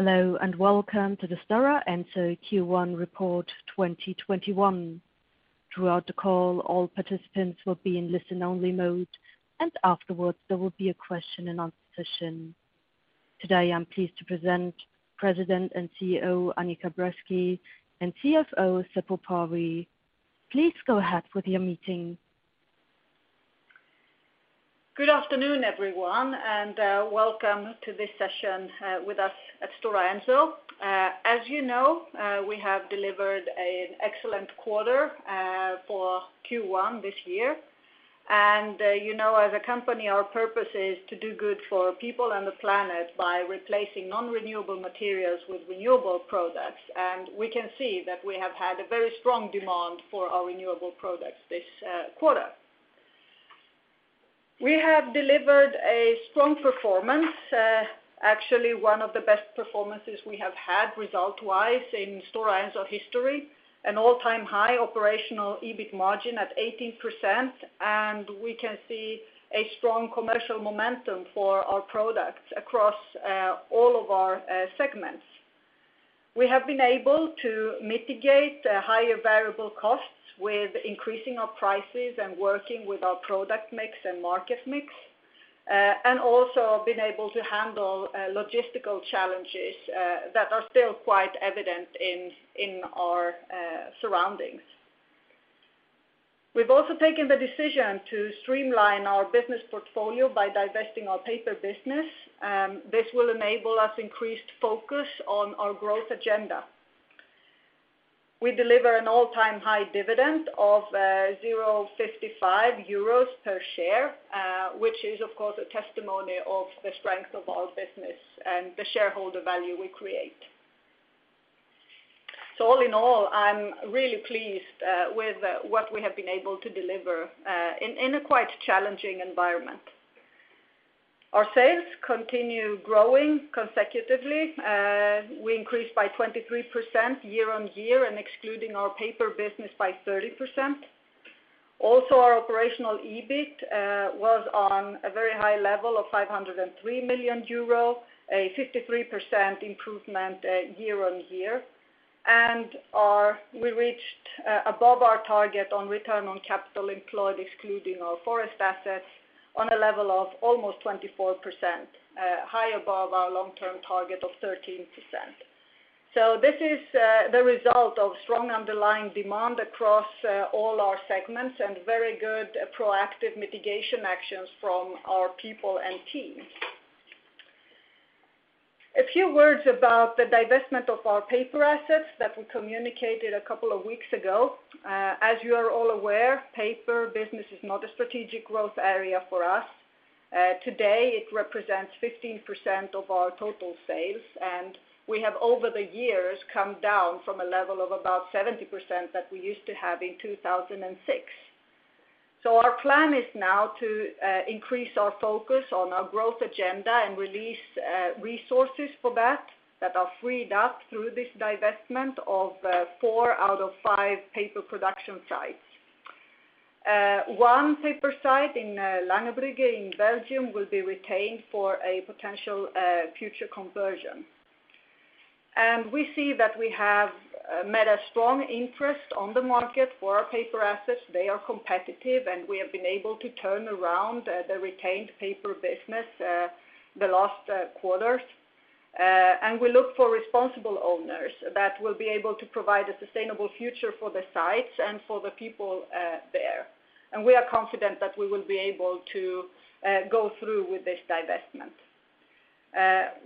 Hello, and welcome to the Stora Enso Q1 2021 report. Throughout the call, all participants will be in listen only mode, and afterwards there will be a question and answer session. Today, I'm pleased to present President and CEO Annica Bresky and CFO Seppo Parvi. Please go ahead with your meeting. Good afternoon, everyone, and, welcome to this session, with us at Stora Enso. As you know, we have delivered an excellent quarter, for Q1 this year. You know, as a company, our purpose is to do good for people and the planet by replacing non-renewable materials with renewable products. We can see that we have had a very strong demand for our renewable products this, quarter. We have delivered a strong performance, actually one of the best performances we have had result wise in Stora Enso history, an all-time high operational EBIT margin at 18%, and we can see a strong commercial momentum for our products across, all of our, segments. We have been able to mitigate higher variable costs with increasing our prices and working with our product mix and market mix, and also been able to handle logistical challenges that are still quite evident in our surroundings. We've also taken the decision to streamline our business portfolio by divesting our paper business. This will enable us increased focus on our growth agenda. We deliver an all-time high dividend of 0.55 euros per share, which is of course a testimony of the strength of our business and the shareholder value we create. All in all, I'm really pleased with what we have been able to deliver in a quite challenging environment. Our sales continue growing consecutively. We increased by 23% year-on-year and excluding our paper business by 30%. Our operational EBIT was on a very high level of 503 million euro, a 53% improvement year-on-year. We reached above our target on return on capital employed, excluding our forest assets on a level of almost 24%, high above our long-term target of 13%. This is the result of strong underlying demand across all our segments and very good proactive mitigation actions from our people and teams. A few words about the divestment of our paper assets that we communicated a couple of weeks ago. As you are all aware, paper business is not a strategic growth area for us. Today, it represents 15% of our total sales, and we have over the years come down from a level of about 70% that we used to have in 2006. Our plan is now to increase our focus on our growth agenda and release resources for that that are freed up through this divestment of four out of five paper production sites. One paper site in Langerbrugge in Belgium will be retained for a potential future conversion. We see that we have met a strong interest on the market for our paper assets. They are competitive, and we have been able to turn around the retained paper business the last quarters. We look for responsible owners that will be able to provide a sustainable future for the sites and for the people there. We are confident that we will be able to go through with this divestment.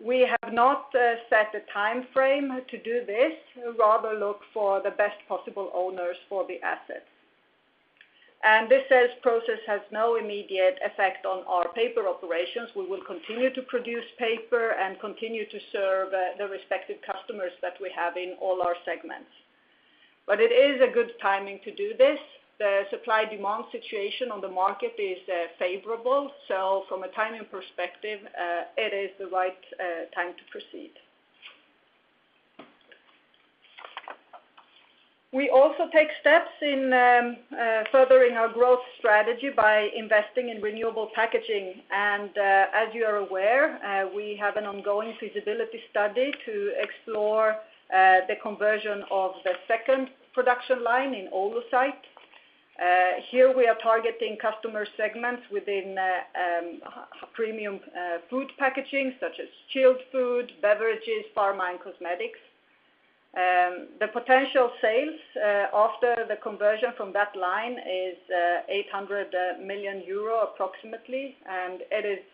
We have not set a timeframe to do this, rather look for the best possible owners for the assets. This sales process has no immediate effect on our paper operations. We will continue to produce paper and continue to serve the respective customers that we have in all our segments. It is a good timing to do this. The supply demand situation on the market is favorable. From a timing perspective, it is the right time to proceed. We also take steps in furthering our growth strategy by investing in renewable packaging. As you are aware, we have an ongoing feasibility study to explore the conversion of the second production line in Oulu site. Here we are targeting customer segments within premium food packaging such as chilled food, beverages, pharma and cosmetics. The potential sales after the conversion from that line is 800 million euro approximately, and it is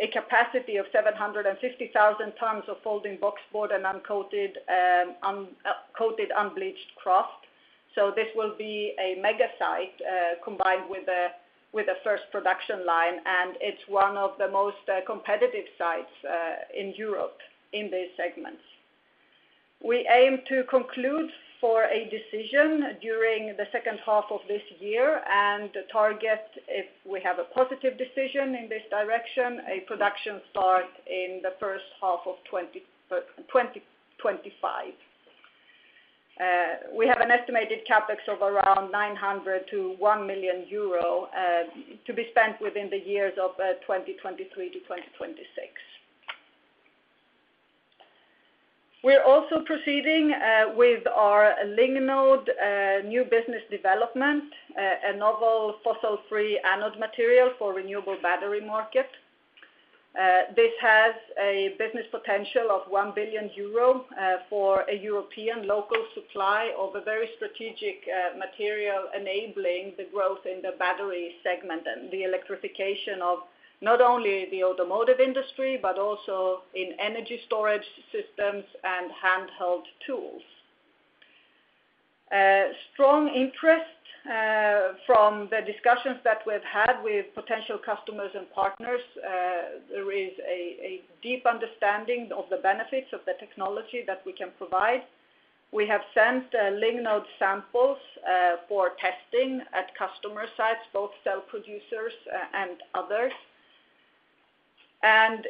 a capacity of 750,000 tons of folding box board and coated unbleached kraft. This will be a mega site combined with a first production line, and it's one of the most competitive sites in Europe in these segments. We aim to conclude for a decision during the second half of this year and the target, if we have a positive decision in this direction, a production start in the first half of 2025. We have an estimated CapEx of around 900 million-1 billion euro, to be spent within the years of 2023 to 2026. We're also proceeding with our Lignode new business development, a novel fossil-free anode material for renewable battery market. This has a business potential of 1 billion euro, for a European local supply of a very strategic material enabling the growth in the battery segment and the electrification of not only the automotive industry, but also in energy storage systems and handheld tools. Strong interest from the discussions that we've had with potential customers and partners, there is a deep understanding of the benefits of the technology that we can provide. We have sent Lignode samples for testing at customer sites, both cell producers and others.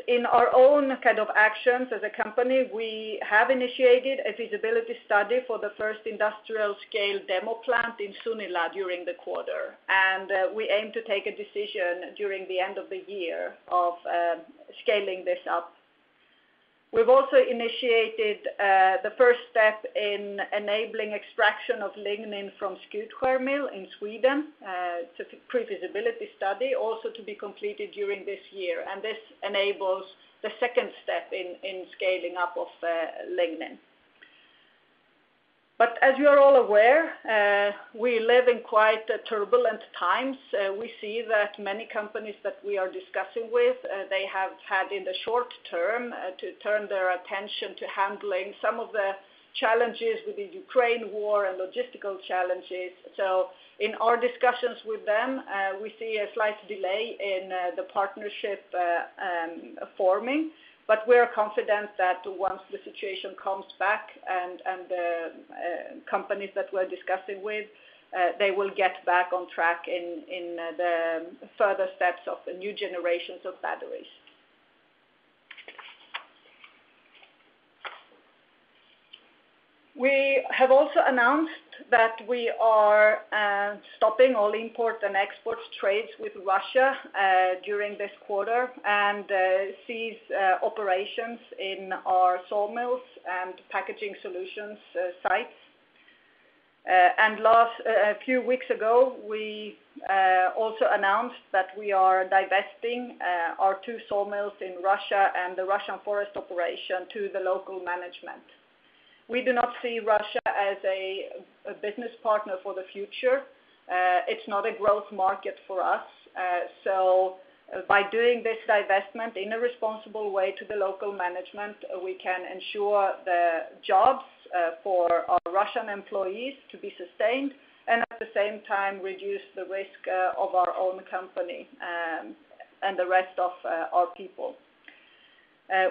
In our own kind of actions as a company, we have initiated a feasibility study for the first industrial scale demo plant in Sunila during the quarter. We aim to take a decision during the end of the year of scaling this up. We've also initiated the first step in enabling extraction of lignin from Skutskär mill in Sweden, it's a pre-feasibility study also to be completed during this year. This enables the second step in scaling up of lignin. As you are all aware, we live in quite turbulent times. We see that many companies that we are discussing with they have had in the short term to turn their attention to handling some of the challenges with the Ukraine war and logistical challenges. In our discussions with them, we see a slight delay in the partnership forming, but we're confident that once the situation calms back and the companies that we're discussing with they will get back on track in the further steps of the new generations of batteries. We have also announced that we are stopping all import and export trades with Russia during this quarter and cease operations in our sawmills and Packaging Solutions sites. Last a few weeks ago, we also announced that we are divesting our two sawmills in Russia and the Russian forest operation to the local management. We do not see Russia as a business partner for the future. It's not a growth market for us. By doing this divestment in a responsible way to the local management, we can ensure the jobs for our Russian employees to be sustained and at the same time, reduce the risk of our own company and the rest of our people.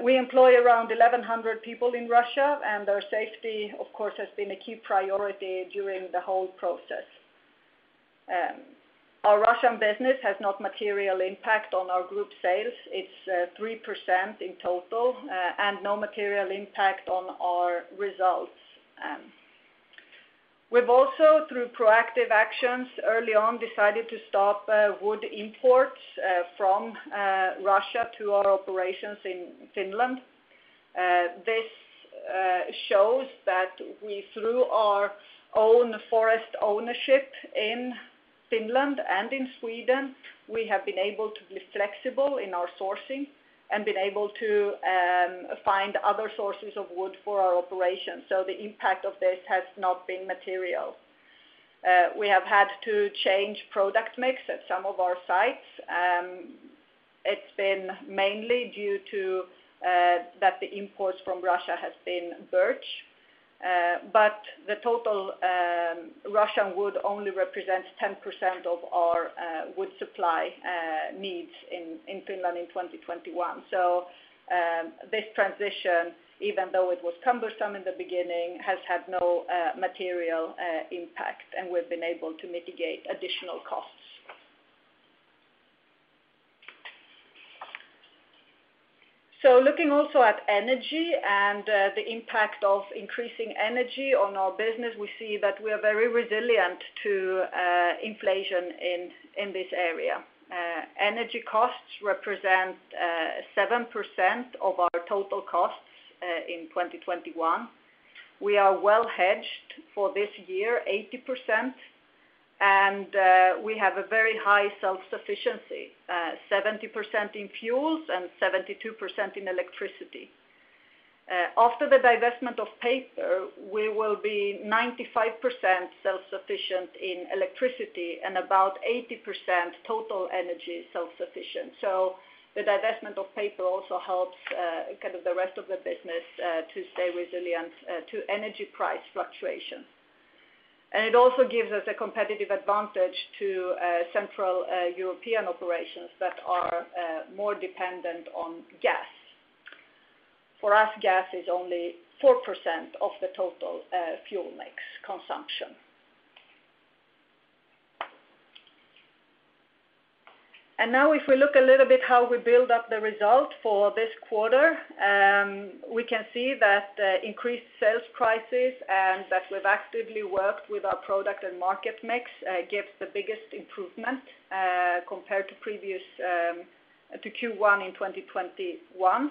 We employ around 1,100 people in Russia and their safety of course has been a key priority during the whole process. Our Russian business has no material impact on our group sales. It's 3% in total and no material impact on our results. We've also through proactive actions early on decided to stop wood imports from Russia to our operations in Finland. This shows that we, through our own forest ownership in Finland and in Sweden, we have been able to be flexible in our sourcing and been able to find other sources of wood for our operations. The impact of this has not been material. We have had to change product mix at some of our sites. It's been mainly due to that the imports from Russia has been birch, but the total Russian wood only represents 10% of our wood supply needs in Finland in 2021. This transition, even though it was cumbersome in the beginning, has had no material impact, and we've been able to mitigate additional costs. Looking also at energy and the impact of increasing energy on our business, we see that we are very resilient to inflation in this area. Energy costs represent 7% of our total costs in 2021. We are well hedged for this year, 80%, and we have a very high self-sufficiency, 70% in fuels and 72% in electricity. After the divestment of paper, we will be 95% self-sufficient in electricity and about 80% total energy self-sufficient. The divestment of paper also helps kind of the rest of the business to stay resilient to energy price fluctuation. It also gives us a competitive advantage to central European operations that are more dependent on gas. For us, gas is only 4% of the total fuel mix consumption. Now if we look a little bit how we build up the result for this quarter, we can see that increased sales prices and that we've actively worked with our product and market mix gives the biggest improvement compared to previous to Q1 in 2021.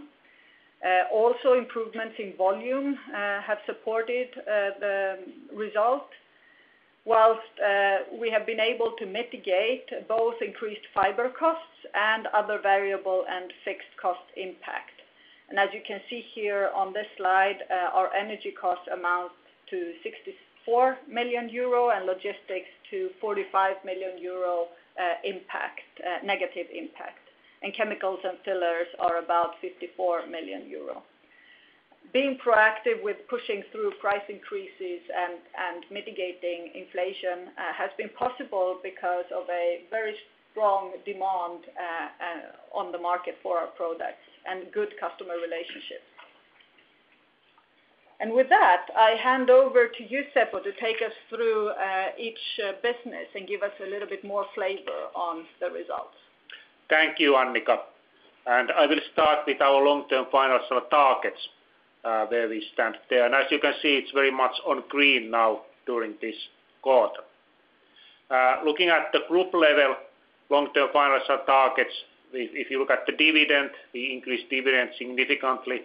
Also improvements in volume have supported the result. While we have been able to mitigate both increased fiber costs and other variable and fixed cost impact. As you can see here on this slide, our energy costs amount to 64 million euro and logistics to 45 million euro, impact, negative impact. Chemicals and fillers are about 54 million euro. Being proactive with pushing through price increases and mitigating inflation has been possible because of a very strong demand on the market for our products and good customer relationships. With that, I hand over to you, Seppo, to take us through each business and give us a little bit more flavor on the results. Thank you, Annica. I will start with our long-term financial targets, where we stand there. As you can see, it's very much on green now during this quarter. Looking at the group level long-term financial targets, if you look at the dividend, we increased dividend significantly,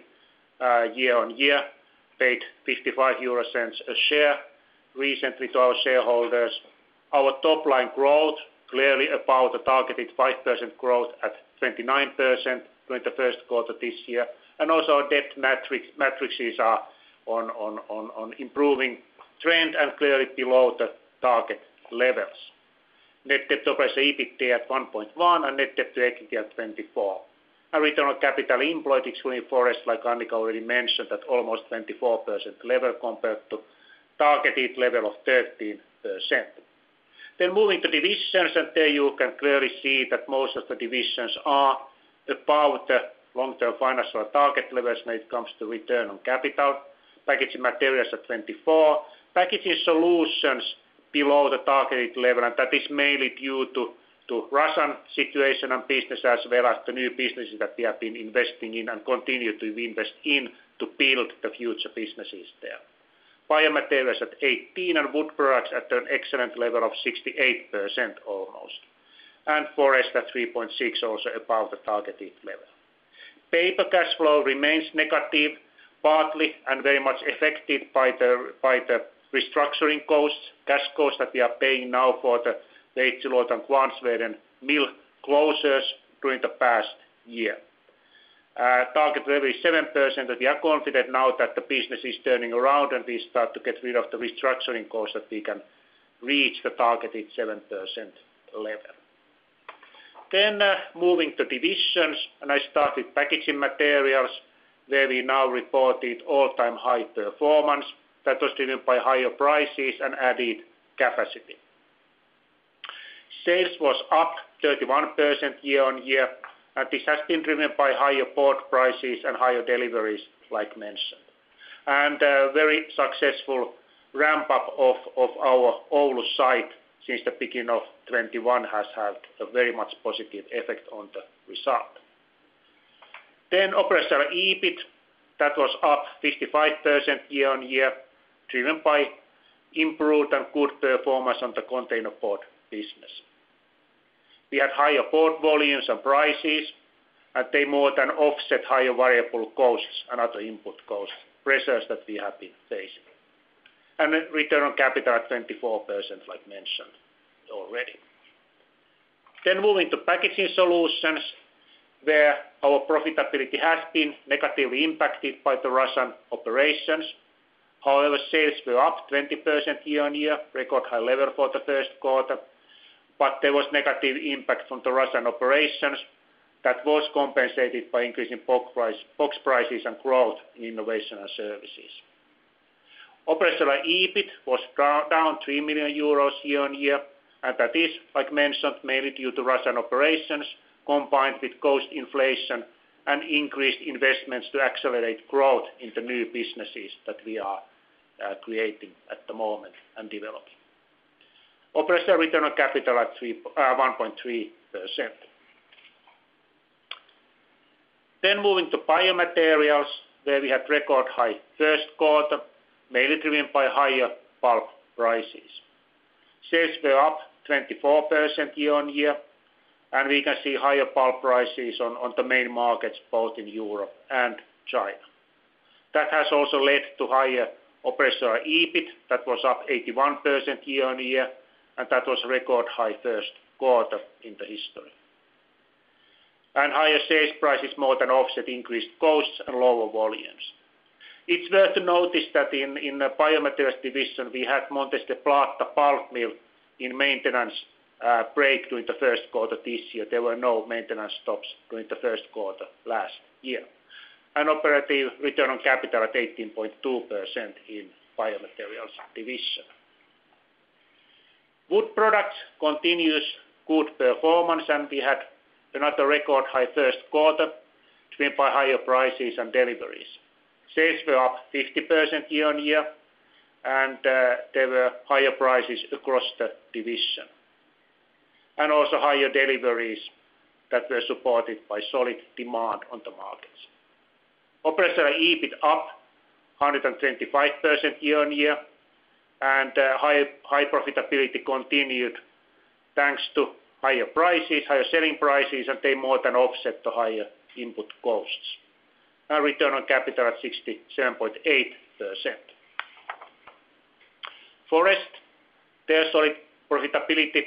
year on year, paid 0.55 a share recently to our shareholders. Our top line growth clearly above the targeted 5% growth at 29% during the first quarter this year. Also our debt matrices are on improving trend and clearly below the target levels. Net debt to operating EBITDA at 1.1 and net debt to EBITDA at 2.4. Our return on capital employed excluding forest, like Annica already mentioned, at almost 24% level compared to targeted level of 13%. Moving to divisions, and there you can clearly see that most of the divisions are above the long-term financial target levels when it comes to return on capital. Packaging Materials at 24. Packaging Solutions below the targeted level, and that is mainly due to the Russian situation and business as well as the new businesses that we have been investing in and continue to invest in to build the future businesses there. Biomaterials at 18 and Wood Products at an excellent level of 68% almost. Forest at 3.6, also above the targeted level. Paper cash flow remains negative, partly and very much affected by the restructuring costs, cash costs that we are paying now for the Veitsiluoto and Kvarnsveden mill closures during the past year. Target level is 7%, and we are confident now that the business is turning around and we start to get rid of the restructuring costs that we can reach the targeted 7% level. Moving to divisions, I start with Packaging Materials, where we now reported all-time high performance that was driven by higher prices and added capacity. Sales was up 31% year-on-year, and this has been driven by higher board prices and higher deliveries, like mentioned. A very successful ramp-up of our Oulu site since the beginning of 2021 has had a very much positive effect on the result. Operational EBIT, that was up 55% year-on-year, driven by improved and good performance on the containerboard business. We had higher board volumes and prices, and they more than offset higher variable costs and other input cost pressures that we have been facing. Return on capital at 24%, like mentioned already. Moving to Packaging Solutions, where our profitability has been negatively impacted by the Russian operations. Sales were up 20% year-on-year, record high level for the first quarter. There was negative impact from the Russian operations that was compensated by increasing box price, box prices and growth in innovation and services. Operational EBIT was down 3 million euros year-on-year, and that is, like mentioned, mainly due to Russian operations combined with cost inflation and increased investments to accelerate growth in the new businesses that we are creating at the moment and developing. Operational return on capital at 1.3%. Moving to Biomaterials, where we had record high first quarter, mainly driven by higher pulp prices. Sales were up 24% year-on-year, and we can see higher pulp prices on the main markets, both in Europe and China. That has also led to higher operative EBIT, that was up 81% year-on-year, and that was record high first quarter in the history. Higher sales prices more than offset increased costs and lower volumes. It's worth noting that in the Biomaterials division, we had Montes del Plata pulp mill in maintenance break during the first quarter this year. There were no maintenance stops during the first quarter last year. Operative return on capital at 18.2% in Biomaterials division. Wood Products continues good performance, and we had another record high first quarter driven by higher prices and deliveries. Sales were up 50% year-on-year. There were higher prices across the division and also higher deliveries that were supported by solid demand on the markets. Operating EBIT up 125% year-on-year and high profitability continued thanks to higher prices, higher selling prices, and they more than offset the higher input costs. Our return on capital at 67.8%. Forest's solid profitability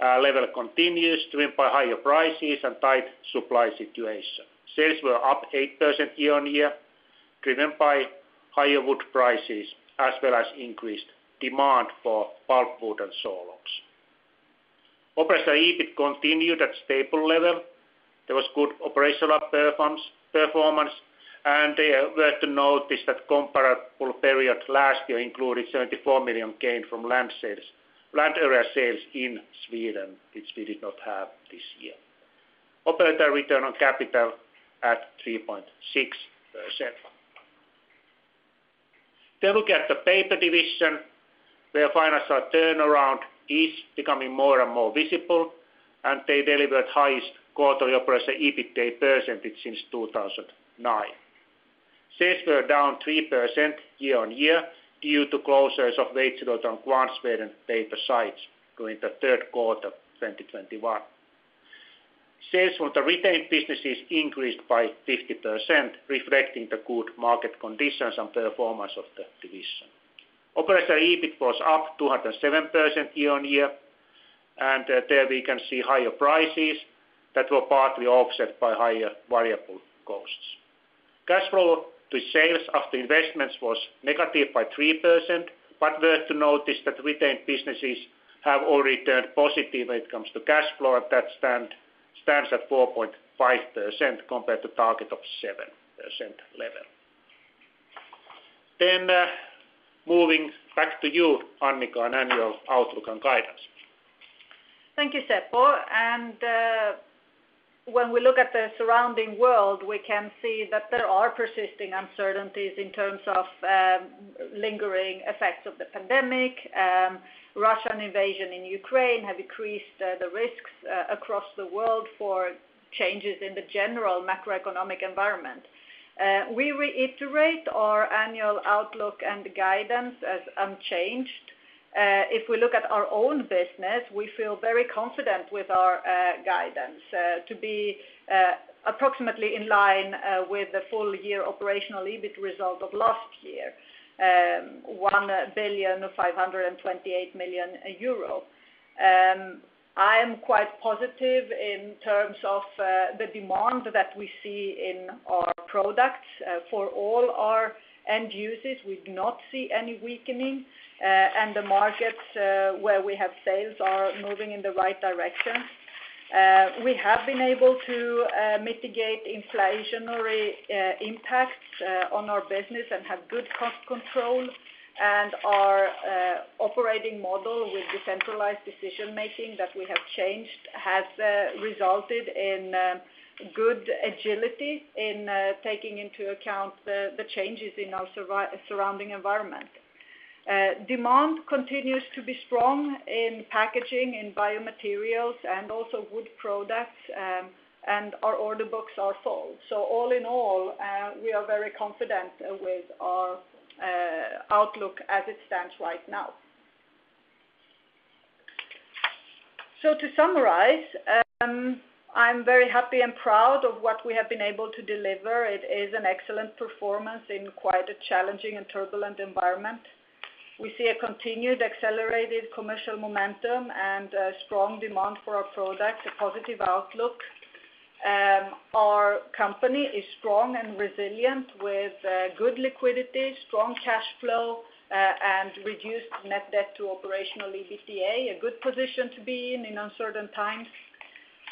level continues driven by higher prices and tight supply situation. Sales were up 8% year-on-year, driven by higher wood prices as well as increased demand for pulpwood and sawlogs. Operating EBIT continued at stable level. There was good operational performance and it is worth noting that comparable period last year included 74 million gain from land sales, land area sales in Sweden, which we did not have this year. Operating return on capital at 3.6%. Look at the paper division, where financial turnaround is becoming more and more visible, and they delivered highest quarterly operating EBITDA percentage since 2009. Sales were down 3% year-on-year due to closures of Veitsiluoto and Kvarnsveden paper sites during the third quarter of 2021. Sales from the retained businesses increased by 50%, reflecting the good market conditions and performance of the division. Operating EBIT was up 207% year-on-year, and there we can see higher prices that were partly offset by higher variable costs. Cash flow to sales after investments was negative by 3%. Worth to notice that retained businesses have all returned positive when it comes to cash flow. That stands at 4.5% compared to target of 7% level. Moving back to you, Annica, on annual outlook and guidance. Thank you, Seppo. When we look at the surrounding world, we can see that there are persisting uncertainties in terms of lingering effects of the pandemic. Russian invasion in Ukraine have increased the risks across the world for changes in the general macroeconomic environment. We reiterate our annual outlook and guidance as unchanged. If we look at our own business, we feel very confident with our guidance to be approximately in line with the full year operational EBIT result of last year, 1,528 million euro. I am quite positive in terms of the demand that we see in our products for all our end users. We do not see any weakening and the markets where we have sales are moving in the right direction. We have been able to mitigate inflationary impacts on our business and have good cost control. Our operating model with decentralized decision-making that we have changed has resulted in good agility in taking into account the changes in our surrounding environment. Demand continues to be strong in packaging and biomaterials and also wood products, and our order books are full. All in all, we are very confident with our outlook as it stands right now. To summarize, I'm very happy and proud of what we have been able to deliver. It is an excellent performance in quite a challenging and turbulent environment. We see a continued accelerated commercial momentum and a strong demand for our products, a positive outlook. Our company is strong and resilient with good liquidity, strong cash flow, and reduced net debt to operational EBITDA, a good position to be in uncertain times.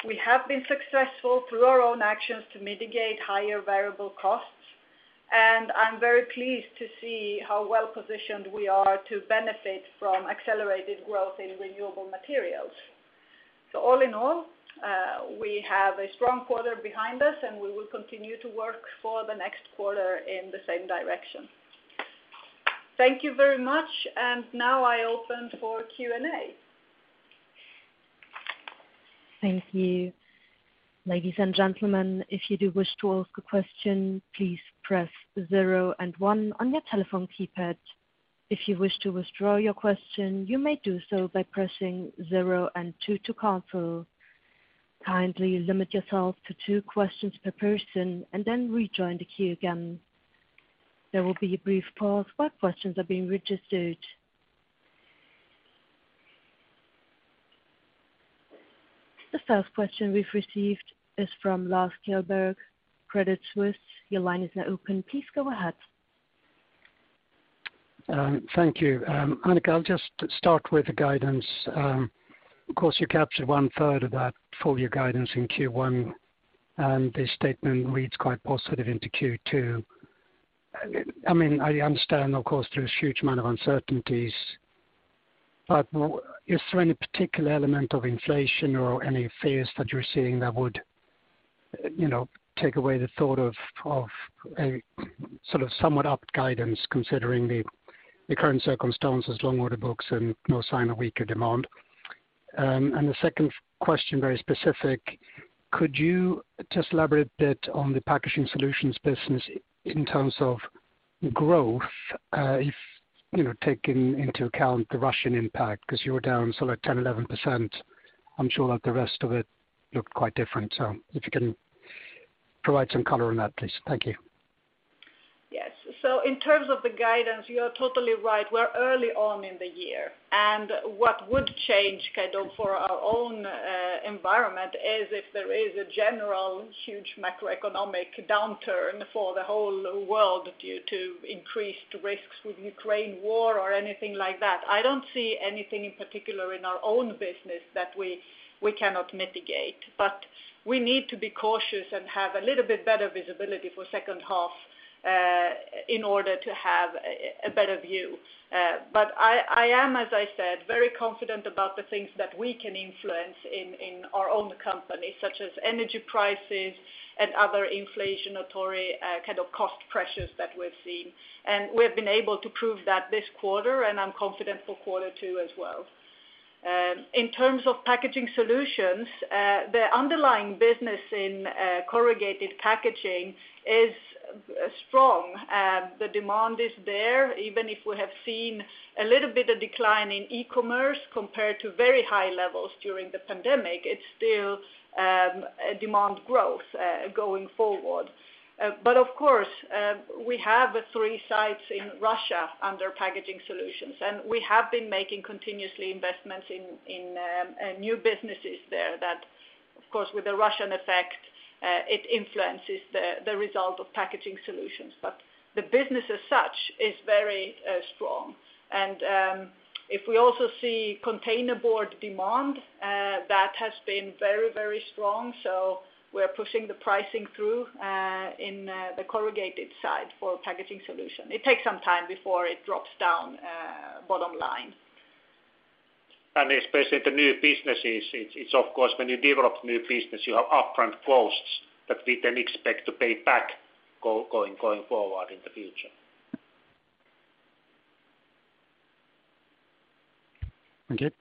We have been successful through our own actions to mitigate higher variable costs, and I'm very pleased to see how well-positioned we are to benefit from accelerated growth in renewable materials. All in all, we have a strong quarter behind us, and we will continue to work for the next quarter in the same direction. Thank you very much. Now I open for Q&A. Thank you. Ladies and gentlemen, if you do wish to ask a question, please press zero and one on your telephone keypad. If you wish to withdraw your question, you may do so by pressing zero and two to cancel. Kindly limit yourself to two questions per person and then rejoin the queue again. There will be a brief pause while questions are being registered. The first question we've received is from Lars Kjellberg, Credit Suisse. Your line is now open. Please go ahead. Thank you. Annica, I'll just start with the guidance. Of course, you captured one third of that full year guidance in Q1, and this statement reads quite positive into Q2. I mean, I understand, of course, there is huge amount of uncertainties. Is there any particular element of inflation or any fears that you're seeing that would, you know, take away the thought of a sort of somewhat up guidance considering the current circumstances, long order books and no sign of weaker demand? And the second question, very specific, could you just elaborate a bit on the Packaging Solutions business in terms of growth? If, you know, taking into account the Russian impact because you were down sort of 10-11%. I'm sure that the rest of it looked quite different. If you can provide some color on that, please. Thank you. Yes. In terms of the guidance, you are totally right. We're early on in the year, and what would change kind of for our own environment is if there is a general huge macroeconomic downturn for the whole world due to increased risks with Ukraine war or anything like that. I don't see anything in particular in our own business that we cannot mitigate, but we need to be cautious and have a little bit better visibility for second half in order to have a better view. But I am, as I said, very confident about the things that we can influence in our own company, such as energy prices and other inflationary kind of cost pressures that we're seeing. We have been able to prove that this quarter, and I'm confident for quarter two as well. In terms of Packaging Solutions, the underlying business in corrugated packaging is strong. The demand is there. Even if we have seen a little bit of decline in e-commerce compared to very high levels during the pandemic, it's still a demand growth going forward. Of course, we have three sites in Russia under Packaging Solutions, and we have been making continuously investments in new businesses there that of course with the Russian effect it influences the result of Packaging Solutions. The business as such is very strong. If we also see containerboard demand, that has been very, very strong. We're pushing the pricing through in the corrugated side for Packaging Solutions. It takes some time before it drops down bottom line. Especially the new businesses. It's of course, when you develop new business, you have upfront costs that we then expect to pay back going forward in the future. Thank you.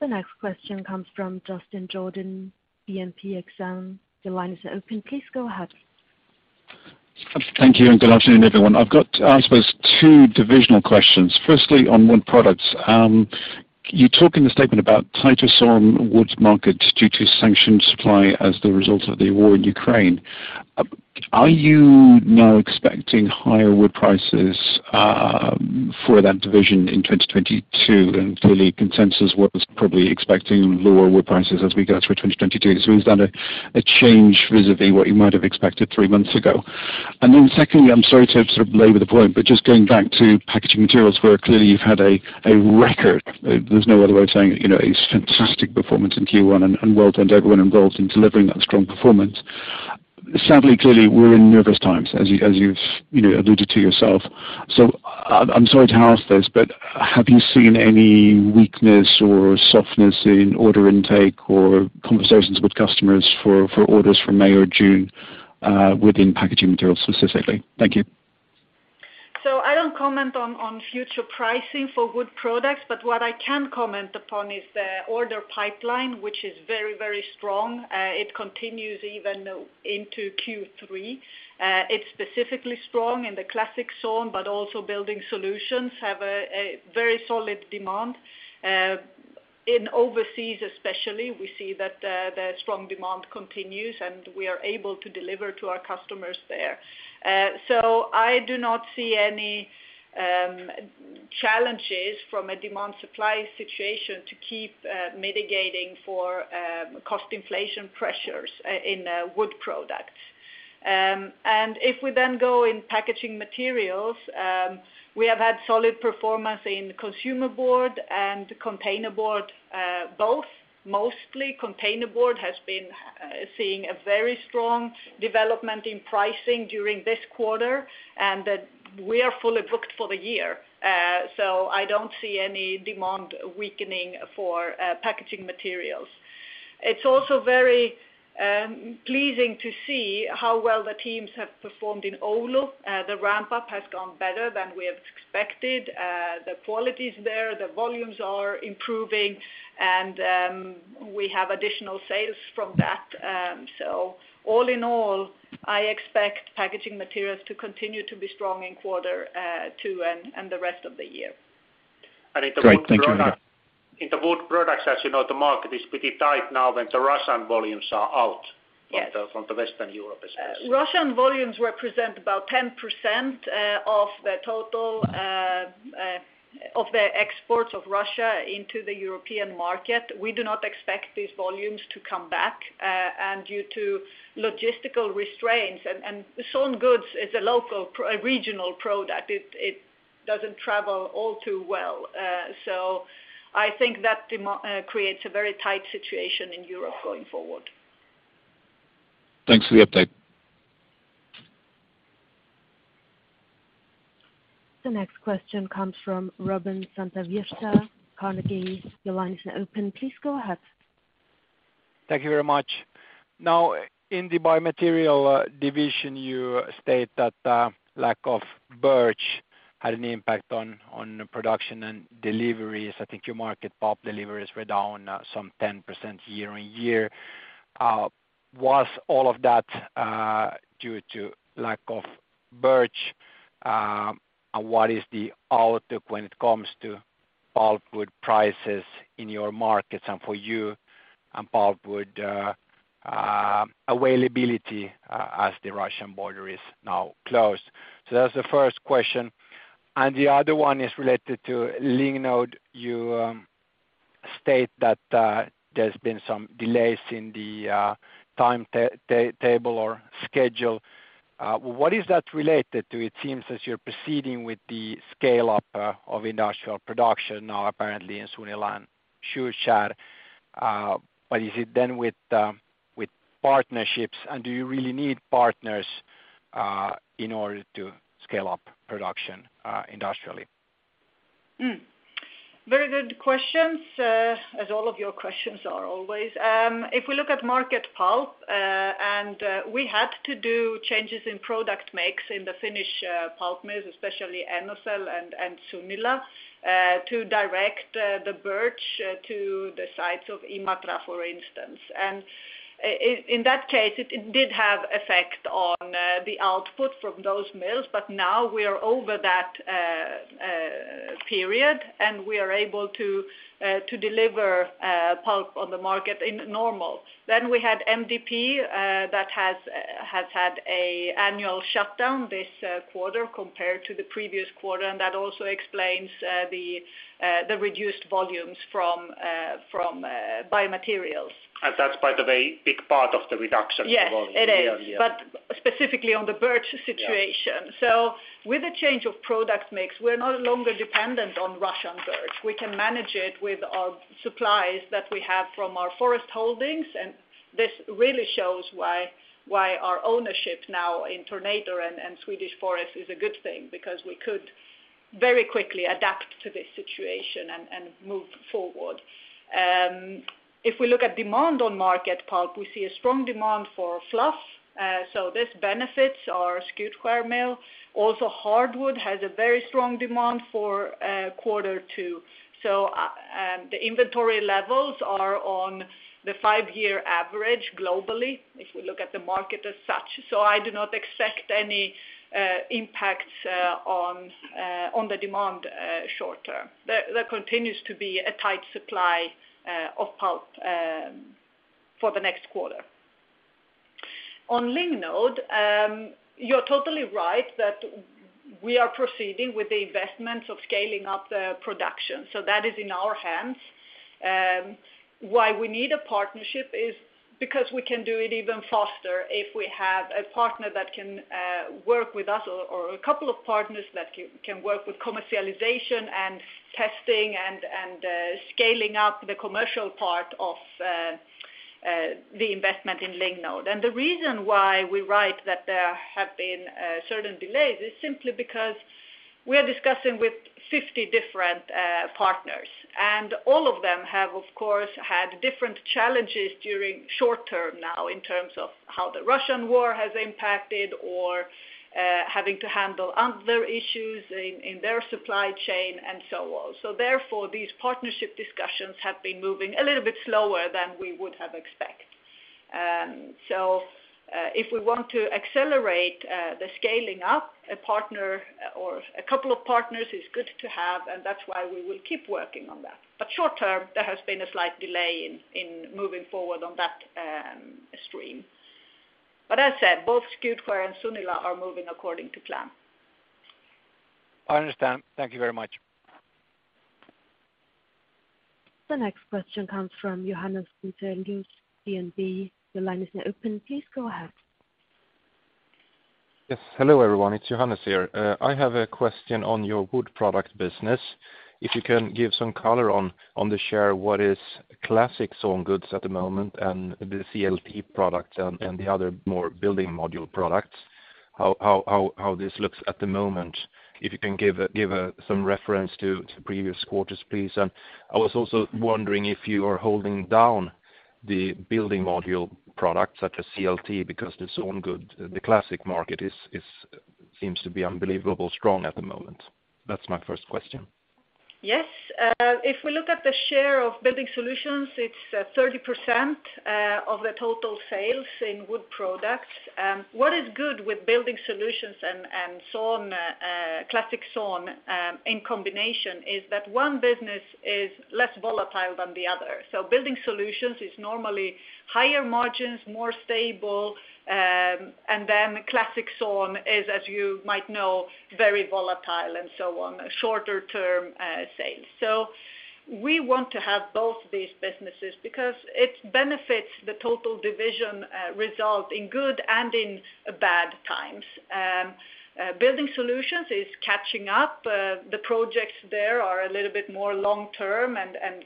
The next question comes from Justin Jordan, BNP Exane. Your line is open. Please go ahead. Thank you and good afternoon, everyone. I've got, I suppose, two divisional questions. Firstly, on Wood Products. You talk in the statement about tighter sawn wood markets due to sanctioned supply as the result of the war in Ukraine. Are you now expecting higher wood prices for that division in 2022? Clearly consensus was probably expecting lower wood prices as we go through 2022. Is that a change vis-à-vis what you might have expected three months ago? Then secondly, I'm sorry to sort of labor the point, but just going back to Packaging Materials where clearly you've had a record, there's no other way of saying it, you know, a fantastic performance in Q1, and well done to everyone involved in delivering that strong performance. Sadly, clearly, we're in nervous times, as you've, you know, alluded to yourself. I'm sorry to ask this, but have you seen any weakness or softness in order intake or conversations with customers for orders from May or June, within Packaging Materials specifically? Thank you. I don't comment on future pricing for wood products, but what I can comment upon is the order pipeline, which is very, very strong. It continues even into Q3. It's specifically strong in the Classic Sawn, but also building solutions have a very solid demand. In overseas especially, we see that the strong demand continues, and we are able to deliver to our customers there. I do not see any challenges from a demand supply situation to keep mitigating for cost inflation pressures in wood products. If we then go in Packaging Materials, we have had solid performance in consumer board and containerboard, both. Mostly containerboard has been seeing a very strong development in pricing during this quarter, and that we are fully booked for the year. I don't see any demand weakening for Packaging Materials. It's also very pleasing to see how well the teams have performed in Oulu. The ramp up has gone better than we have expected. The quality is there, the volumes are improving, and we have additional sales from that. All in all, I expect Packaging Materials to continue to be strong in quarter two and the rest of the year. Great. Thank you very much. In the Wood Products, as you know, the market is pretty tight now when the Russian volumes are out. Yes. from the Western Europe especially. Russian volumes represent about 10% of the total of the exports of Russia into the European market. We do not expect these volumes to come back, and due to logistical restraints, sawn wood is a local, a regional product. It doesn't travel all too well. I think that demand creates a very tight situation in Europe going forward. Thanks for the update. The next question comes from Robin Santavirta, Carnegie. Your line is now open. Please go ahead. Thank you very much. Now, in the Biomaterials division, you state that the lack of Birch had an impact on production and deliveries. I think your market pulp deliveries were down some 10% year-over-year. Was all of that due to lack of Birch? What is the outlook when it comes to pulpwood prices in your markets and for you and pulpwood availability as the Russian border is now closed? That's the first question. The other one is related to Lignode. You state that there's been some delays in the timetable or schedule. What is that related to? It seems as you're proceeding with the scale up of industrial production now, apparently in Sunila and Skutskär. Is it then with partnerships, and do you really need partners in order to scale up production industrially? Very good questions, as all of your questions are always. If we look at market pulp, and we had to do changes in product mix in the Finnish pulp mills, especially Enocell and Sunila, to direct the birch to the sites of Imatra, for instance. In that case, it did have effect on the output from those mills, but now we are over that period, and we are able to deliver pulp on the market in normal. We had MDP that has had an annual shutdown this quarter compared to the previous quarter, and that also explains the reduced volumes from Biomaterials. That's, by the way, big part of the reduction. Yes, it is. Year-over-year. Specifically on the birch situation. Yeah. With the change of product mix, we're no longer dependent on Russian birch. We can manage it with our supplies that we have from our forest holdings, and this really shows why our ownership now in Tornator and Swedish forest is a good thing because we could very quickly adapt to this situation and move forward. If we look at demand on market pulp, we see a strong demand for fluff. This benefits our Skutskär mill. Also hardwood has a very strong demand for quarter two. The inventory levels are on the five-year average globally, if we look at the market as such, so I do not expect any impacts on the demand short term. There continues to be a tight supply of pulp for the next quarter. On Lignode, you're totally right that we are proceeding with the investments of scaling up the production. That is in our hands. Why we need a partnership is because we can do it even faster if we have a partner that can work with us or a couple of partners that can work with commercialization and testing and scaling up the commercial part of the investment in Lignode. The reason why we write that there have been certain delays is simply because we are discussing with 50 different partners. All of them have, of course, had different challenges during short term now in terms of how the Russian war has impacted or having to handle other issues in their supply chain and so on. Therefore, these partnership discussions have been moving a little bit slower than we would have expect. If we want to accelerate the scaling up, a partner or a couple of partners is good to have, and that's why we will keep working on that. Short term, there has been a slight delay in moving forward on that stream. As said, both Skutskär and Sunila are moving according to plan. I understand. Thank you very much. The next question comes from Johannes Grunselius, DNB. Your line is now open. Please go ahead. Yes. Hello, everyone. It's Johannes here. I have a question on your Wood Products business. If you can give some color on the share what is Classic Sawn at the moment and the CLT products and the other more building module products, how this looks at the moment. If you can give some reference to previous quarters, please. I was also wondering if you are holding down the building module products such as CLT because the sawn goods, the classic market seems to be unbelievably strong at the moment. That's my first question. Yes. If we look at the share of building solutions, it's 30% of the total sales in Wood Products. What is good with building solutions and Classic Sawn in combination is that one business is less volatile than the other. Building solutions is normally higher margins, more stable, and then Classic Sawn is, as you might know, very volatile and so on, shorter-term sales. We want to have both these businesses because it benefits the total division result in good and in bad times. Building solutions is catching up. The projects there are a little bit more long-term and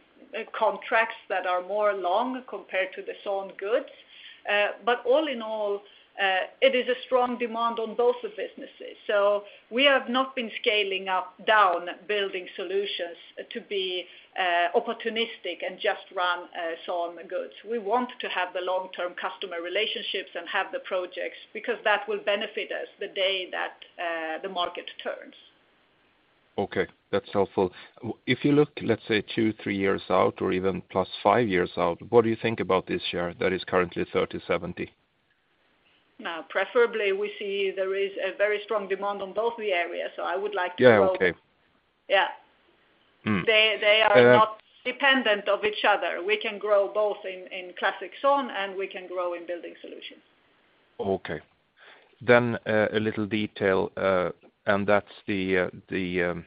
contracts that are more long compared to the sawn goods. All in all, it is a strong demand on both the businesses. We have not been scaling up or down building solutions to be opportunistic and just run sawn wood. We want to have the long-term customer relationships and have the projects because that will benefit us the day that the market turns. Okay, that's helpful. If you look, let's say two, three years out or even plus five years out, what do you think about this share that is currently 30/70? Now, preferably we see there is a very strong demand on both the areas, so I would like to grow. Yeah. Okay. Yeah. Mm. They are not dependent on each other. We can grow both in Classic Sawn and we can grow in Building Solutions. Okay. A little detail, and that's the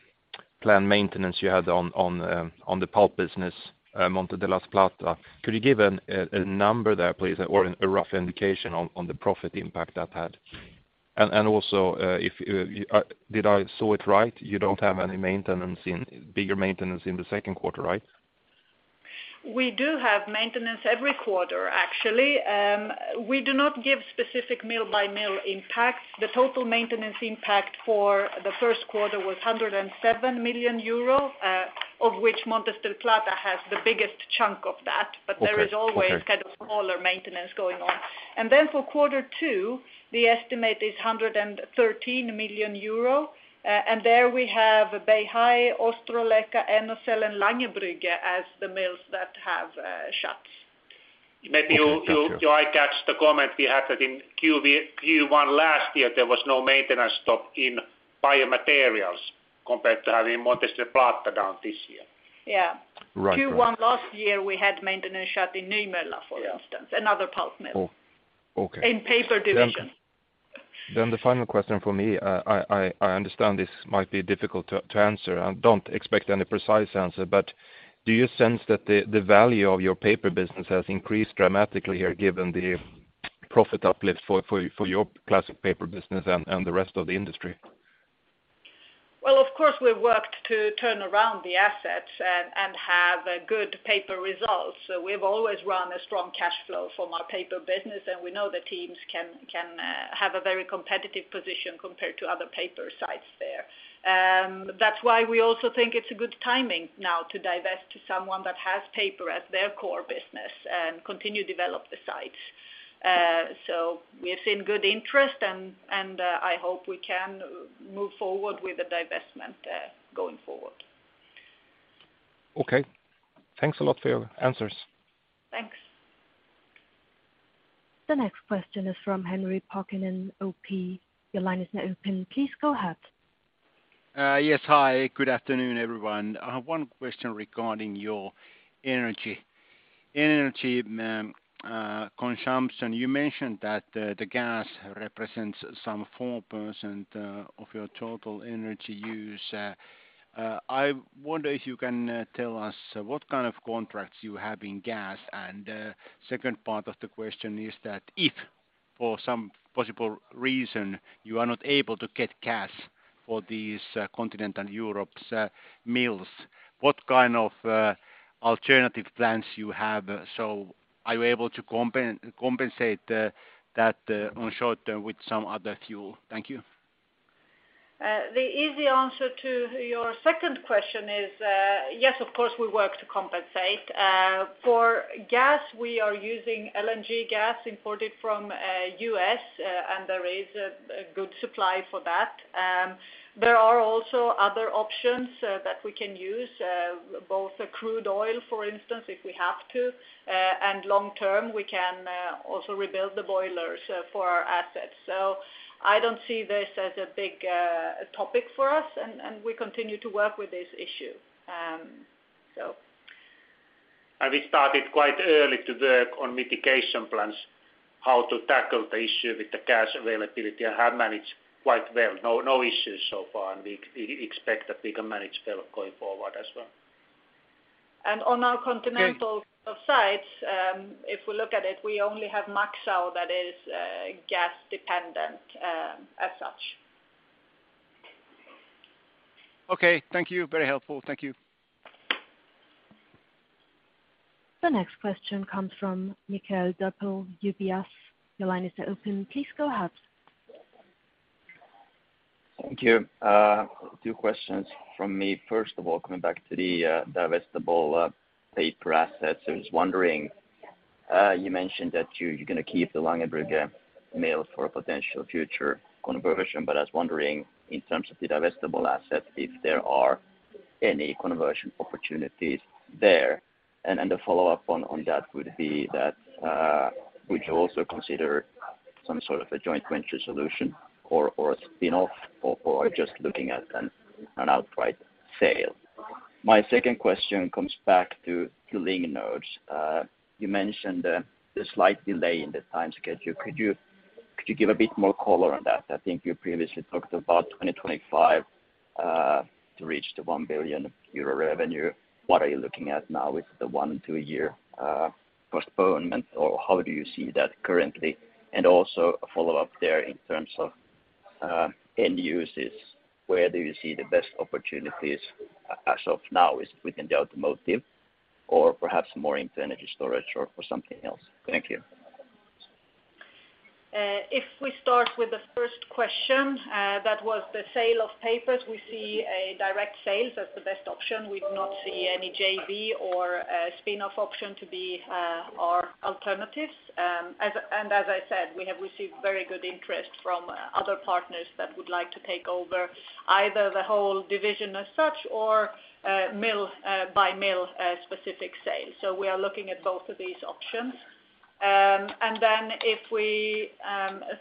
planned maintenance you had on the pulp business, Montes del Plata. Could you give a number there please, or a rough indication on the profit impact that had? Also, if did I saw it right, you don't have any bigger maintenance in the second quarter, right? We do have maintenance every quarter, actually. We do not give specific mill by mill impact. The total maintenance impact for the first quarter was 107 million euro, of which Montes del Plata has the biggest chunk of that. Okay. Okay. There is always kind of smaller maintenance going on. For quarter two, the estimate is 113 million euro. There we have Beihai, Ostrołęka, NSL, and Langerbrugge as the mills that have shutdowns. Okay. Thank you. Maybe you might catch the comment we had that in Q1 last year, there was no maintenance stop in Biomaterials compared to having Montes del Plata down this year. Yeah. Right. Q1 last year, we had maintenance shutdown in Nymölla, for instance, another pulp mill. Oh, okay. In paper division. The final question for me, I understand this might be difficult to answer, and don't expect any precise answer, but do you sense that the value of your paper business has increased dramatically here given the profit uplift for your classic paper business and the rest of the industry? Well, of course, we've worked to turn around the assets and have good paper results. We've always run a strong cash flow from our paper business, and we know the teams can have a very competitive position compared to other paper sites there. That's why we also think it's a good timing now to divest to someone that has paper as their core business and continue to develop the sites. We have seen good interest and I hope we can move forward with the divestment going forward. Okay. Thanks a lot for your answers. Thanks. The next question is from Henri Parkkinen, OP. Your line is now open. Please go ahead. Yes. Hi, good afternoon, everyone. I have one question regarding your energy consumption. You mentioned that the gas represents some 4% of your total energy use. I wonder if you can tell us what kind of contracts you have in gas. Second part of the question is that if for some possible reason you are not able to get gas for these continental Europe's mills, what kind of alternative plans you have? Are you able to compensate that on short-term with some other fuel? Thank you. The easy answer to your second question is, yes, of course, we work to compensate. For gas, we are using LNG gas imported from U.S., and there is a good supply for that. There are also other options that we can use, both crude oil, for instance, if we have to, and long term, we can also rebuild the boilers for our assets. I don't see this as a big topic for us, and we continue to work with this issue. We started quite early to work on mitigation plans, how to tackle the issue with the gas availability and have managed quite well. No, no issues so far, and we expect that we can manage well going forward as well. On our continental sites, if we look at it, we only have Maxau that is gas dependent, as such. Okay. Thank you. Very helpful. Thank you. The next question comes from Mikael Doepel, UBS. Your line is now open. Please go ahead. Thank you. Two questions from me. First of all, coming back to the divestible paper assets. I was wondering, you mentioned that you're gonna keep the Langerbrugge mill for a potential future conversion, but I was wondering in terms of the divestible asset, if there are any conversion opportunities there. The follow-up on that would be, would you also consider some sort of a joint venture solution or a spin-off or just looking at an outright sale? My second question comes back to lignin. You mentioned the slight delay in the time schedule. Could you give a bit more color on that? I think you previously talked about 2025 to reach the 1 billion euro revenue, what are you looking at now with the one- to two-year postponement, or how do you see that currently? Also a follow up there in terms of end users, where do you see the best opportunities as of now is within the automotive or perhaps more into energy storage or for something else? Thank you. If we start with the first question, that was the sale of papers, we see a direct sales as the best option. We do not see any JV or a spin-off option to be our alternatives. As I said, we have received very good interest from other partners that would like to take over either the whole division as such or mill by mill specific sales. We are looking at both of these options. If we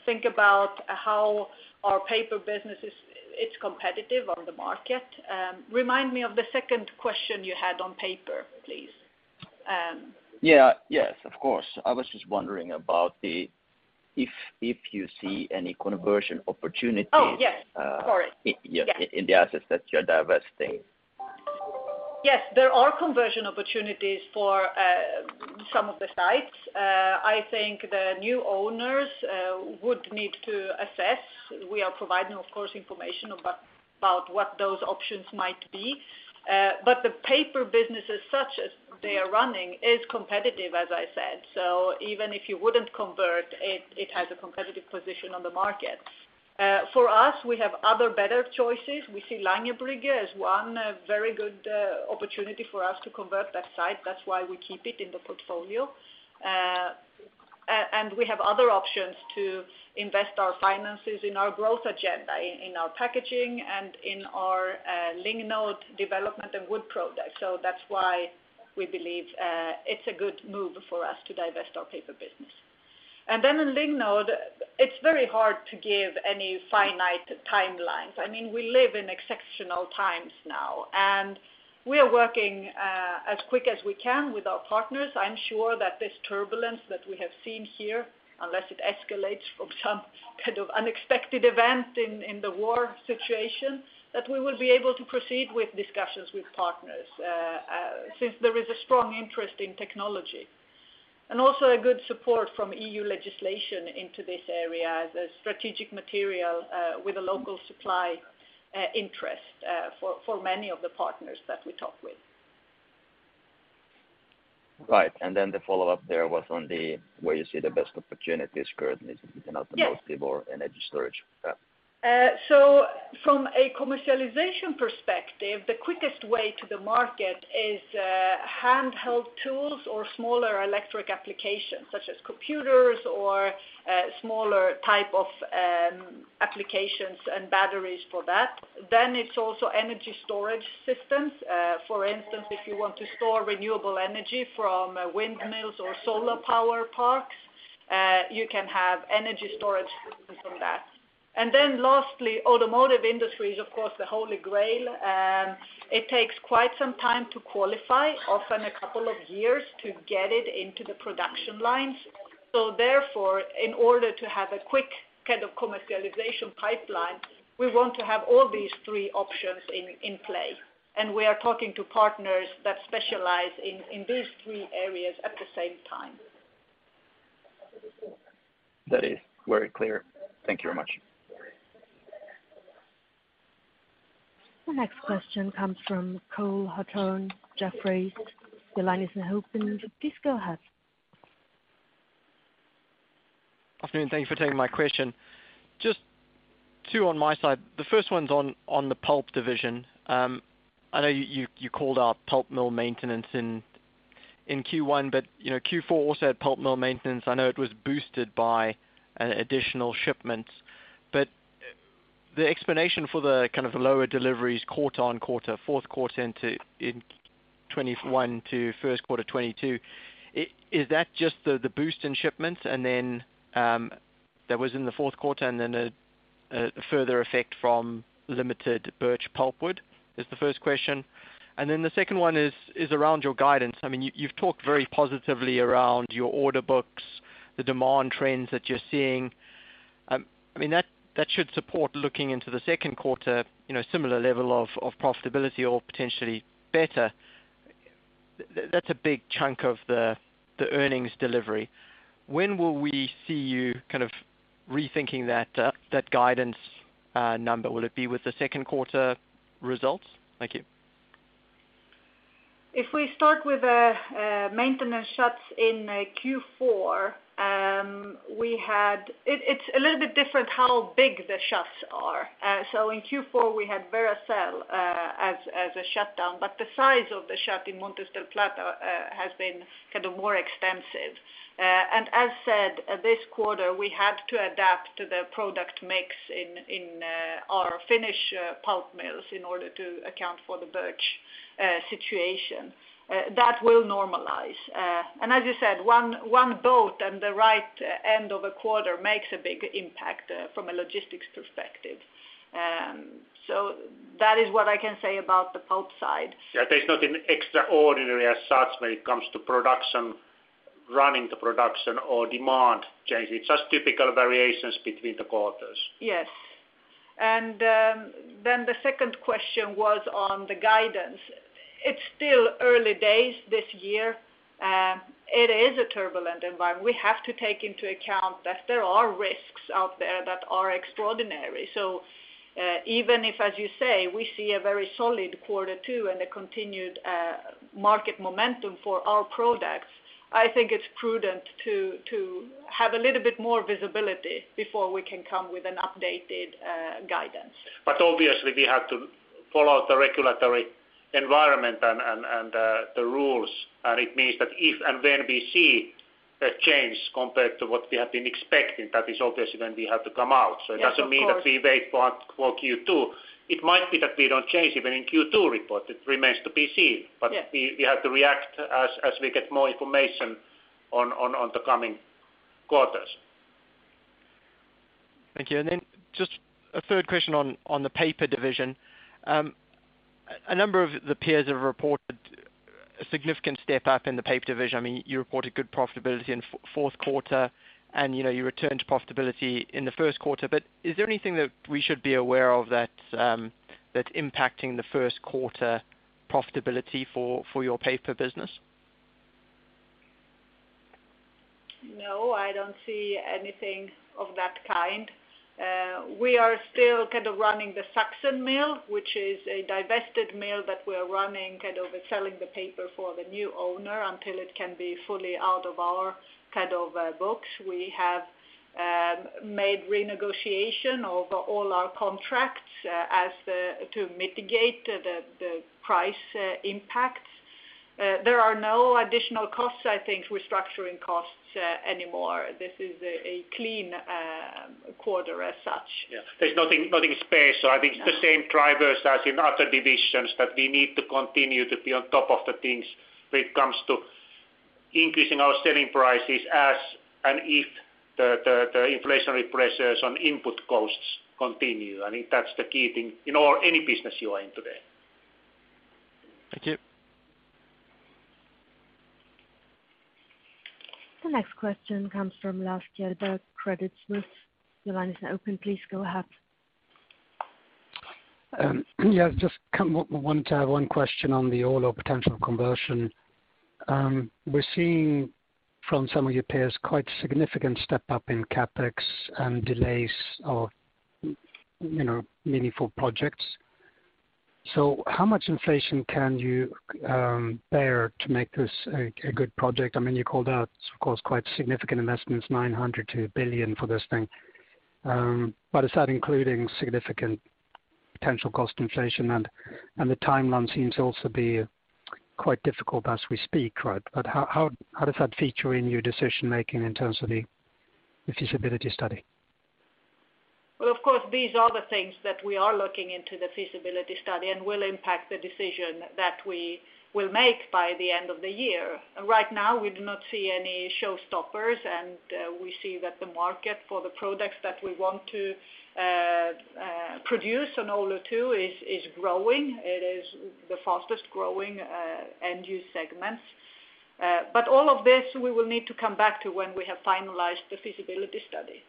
think about how our paper business is, it's competitive on the market, remind me of the second question you had on paper, please. Yeah. Yes, of course. I was just wondering about if you see any conversion opportunities? Oh, yes. Sorry. In the assets that you're divesting. Yes. There are conversion opportunities for some of the sites. I think the new owners would need to assess. We are providing, of course, information about what those options might be. But the paper business as such as they are running is competitive, as I said. Even if you wouldn't convert, it has a competitive position on the market. For us, we have other better choices. We see Langerbrugge as one very good opportunity for us to convert that site. That's why we keep it in the portfolio. And we have other options to invest our finances in our growth agenda, in our packaging and in our Lignode development and Wood Products. That's why we believe it's a good move for us to divest our paper business. In Lignode, it's very hard to give any finite timelines. I mean, we live in exceptional times now, and we are working as quick as we can with our partners. I'm sure that this turbulence that we have seen here, unless it escalates from some kind of unexpected event in the war situation, that we will be able to proceed with discussions with partners, since there is a strong interest in technology. Also a good support from EU legislation into this area as a strategic material, with a local supply interest, for many of the partners that we talk with. Right. The follow-up there was on where you see the best opportunities currently is within automotive or energy storage. Yes. From a commercialization perspective, the quickest way to the market is handheld tools or smaller electric applications such as computers or smaller type of applications and batteries for that. It's also energy storage systems. For instance, if you want to store renewable energy from windmills or solar power parks, you can have energy storage systems on that. Lastly, automotive industry is of course the holy grail. It takes quite some time to qualify, often a couple of years to get it into the production lines. In order to have a quick kind of commercialization pipeline, we want to have all these three options in play. We are talking to partners that specialize in these three areas at the same time. That is very clear. Thank you very much. The next question comes from Cole Hathorn, Jefferies. Your line is now open. Please go ahead. Afternoon. Thank you for taking my question. Just two on my side. The first one's on the pulp division. I know you called out pulp mill maintenance in Q1, but you know, Q4 also had pulp mill maintenance. I know it was boosted by additional shipments. But the explanation for the kind of lower deliveries quarter on quarter, fourth quarter into 2021 to first quarter 2022, is that just the boost in shipments and then that was in the fourth quarter and then a further effect from limited birch pulpwood? Is the first question. The second one is around your guidance. I mean, you've talked very positively around your order books, the demand trends that you're seeing. I mean, that should support looking into the second quarter, you know, similar level of profitability or potentially better. That's a big chunk of the earnings delivery. When will we see you kind of rethinking that guidance number? Will it be with the second quarter results? Thank you. If we start with maintenance shuts in Q4, it's a little bit different how big the shuts are. In Q4, we had Veracel as a shutdown, but the size of the shut in Montes del Plata has been kind of more extensive. As said, this quarter, we had to adapt to the product mix in our Finnish pulp mills in order to account for the birch situation. That will normalize. As you said, one boat at the right end of a quarter makes a big impact from a logistics perspective. That is what I can say about the pulp side. Yeah. There's nothing extraordinary as such when it comes to production. Regarding the production or demand changes. It's just typical variations between the quarters. Yes. Then the second question was on the guidance. It's still early days this year. It is a turbulent environment. We have to take into account that there are risks out there that are extraordinary. Even if, as you say, we see a very solid quarter two and a continued market momentum for our products, I think it's prudent to have a little bit more visibility before we can come with an updated guidance. Obviously, we have to follow the regulatory environment and the rules. It means that if and when we see a change compared to what we have been expecting, that is obviously when we have to come out. Yes, of course. It doesn't mean that we wait for Q2. It might be that we don't change even in Q2 report. It remains to be seen. Yes. We have to react as we get more information on the coming quarters. Thank you. Then just a third question on the paper division. A number of the peers have reported a significant step up in the paper division. I mean, you reported good profitability in fourth quarter, and you know, you returned to profitability in the first quarter. Is there anything that we should be aware of that's impacting the first quarter profitability for your paper business? No, I don't see anything of that kind. We are still kind of running the Sachsen mill, which is a divested mill that we're running, kind of selling the paper for the new owner until it can be fully out of our kind of books. We have made renegotiation over all our contracts to mitigate the price impacts. There are no additional costs, I think restructuring costs, anymore. This is a clean quarter as such. Yeah. There's nothing spare. No. I think it's the same drivers as in other divisions that we need to continue to be on top of the things when it comes to increasing our selling prices as and if the inflationary pressures on input costs continue. I think that's the key thing in all, any business you are in today. Thank you. The next question comes from Lars Kjellberg, Credit Suisse. Your line is now open. Please go ahead. Yeah, just come up with one question on the Oulu potential conversion. We're seeing from some of your peers quite significant step up in CapEx and delays of, you know, meaningful projects. How much inflation can you bear to make this a good project? I mean, you called out, of course, quite significant investments, 900 million to 1 billion for this thing. But is that including significant potential cost inflation? And the timeline seems to also be quite difficult as we speak, right? But how does that feature in your decision-making in terms of the feasibility study? Well, of course these are the things that we are looking into the feasibility study and will impact the decision that we will make by the end of the year. Right now, we do not see any showstoppers, and we see that the market for the products that we want to produce on Oulu 2 is growing. It is the fastest growing end-use segments. But all of this we will need to come back to when we have finalized the feasibility study.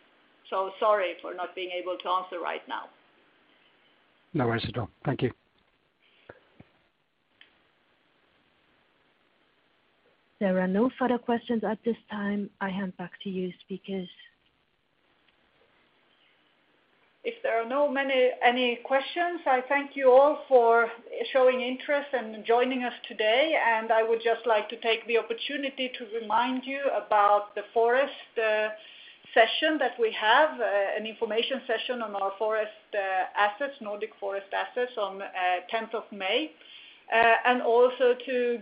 Sorry for not being able to answer right now. No worries at all. Thank you. There are no further questions at this time. I hand back to you, speakers. If there are any questions, I thank you all for showing interest and joining us today. I would just like to take the opportunity to remind you about the forest session that we have, an information session on our forest assets, Nordic Forest Assets on 10th of May. I also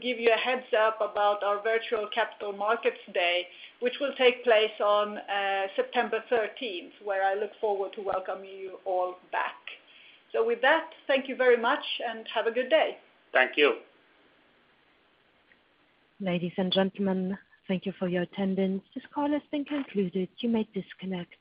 give you a heads up about our virtual capital markets day, which will take place on September thirteenth, where I look forward to welcome you all back. With that, thank you very much and have a good day. Thank you. Ladies and gentlemen, thank you for your attendance. This call has been concluded. You may disconnect.